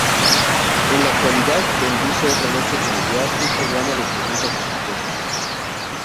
En la actualidad conduce "Otra noche familiar" un programa de preguntas y respuestas.